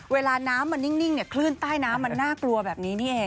เวลาน้ำมันนิ่งเนี่ยคลื่นใต้น้ำมันน่ากลัวแบบนี้นี่เอง